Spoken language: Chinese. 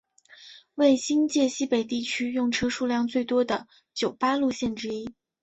为新界西北地区用车数量最多的九巴路线之一。